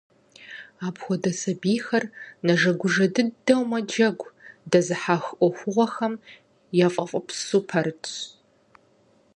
Апхуэдэ сабийхэр нэжэгужэ дыдэу мэджэгу, дэзыхьэх Ӏуэхугъуэхэм яфӀэфӀыпсу пэрытщ.